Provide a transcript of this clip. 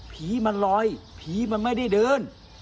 ผีมันลอยผีมันไม่ได้เดิน